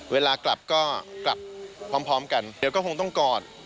เวลากลับก็กลับพร้อมกันเดี๋ยวก็คงต้องกอด